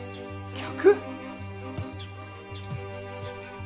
客？